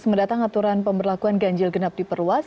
mendatang aturan pemberlakuan ganjil genap di perwas